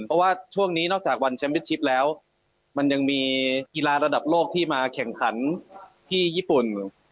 เพราะว่าช่วงนี้นอกจากวันแชมป์เป็นชิปแล้วมันยังมีกีฬาระดับโลกที่มาแข่งขันที่ญี่ปุ่น